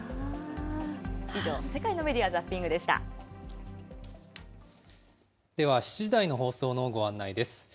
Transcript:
以上、世界のメディア・ザッピンでは、７時台の放送のご案内です。